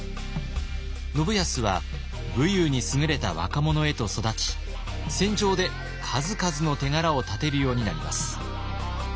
信康は武勇にすぐれた若者へと育ち戦場で数々の手柄をたてるようになります。